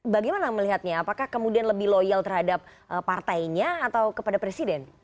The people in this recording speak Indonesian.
bagaimana melihatnya apakah kemudian lebih loyal terhadap partainya atau kepada presiden